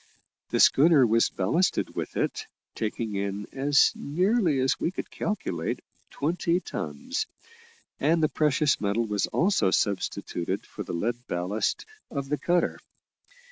The schooner was ballasted with it, taking in, as nearly as we could calculate, twenty tons, and the precious metal was also substituted for the lead ballast of the cutter.